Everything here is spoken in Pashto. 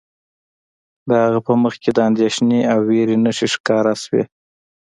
د هغه په مخ کې د اندیښنې او ویرې نښې ښکاره شوې